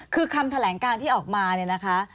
คือคำแถลงการที่ออกมาเนี่ยนะคะ